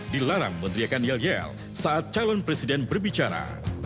dilarang meneriakan yel yel saat calon presiden berbicara